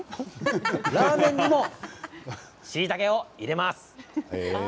ラーメンにもしいたけを入れます。